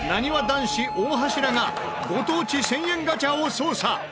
男子大橋らがご当地１０００円ガチャを捜査。